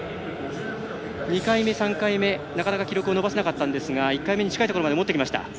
２回目、３回目、なかなか記録を伸ばせなかったんですが１回目に近いところまで持ってきました。